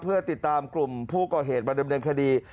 เพื่อติดตามกลุ่มผู้ก่อเหตุมาดำเนินคดี